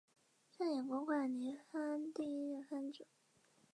上野国馆林藩第一任藩主。